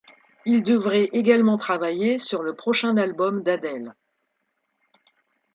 Il devrait également travailler sur le prochain album d'Adele.